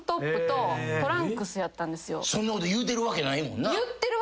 そんなこと言うてるわけないもんな。